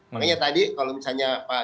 makanya tadi kalau misalnya pak